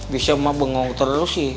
bisa ma bengong terus sih